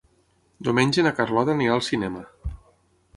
Diumenge na Carlota anirà al cinema.